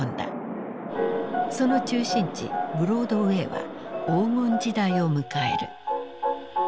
その中心地ブロードウェイは黄金時代を迎える。